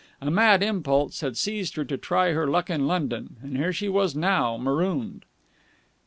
A mad impulse had seized her to try her luck in London, and here she was now, marooned.